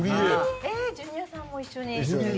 えー、ジュニアさんも一緒に？